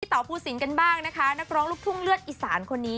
เต่าภูสินกันบ้างนะคะนักร้องลูกทุ่งเลือดอีสานคนนี้